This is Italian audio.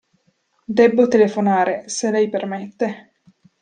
Debbo telefonare, se lei permette.